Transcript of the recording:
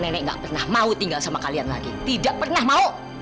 nenek gak pernah mau tinggal sama kalian lagi tidak pernah mau